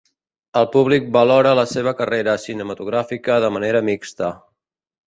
El públic valora la seva carrera cinematogràfica de manera mixta.